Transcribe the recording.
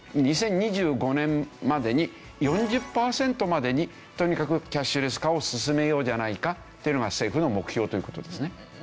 ２０２５年までに４０パーセントまでにとにかくキャッシュレス化を進めようじゃないかっていうのが政府の目標という事ですね。